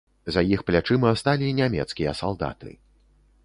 За іх плячыма сталі нямецкія салдаты.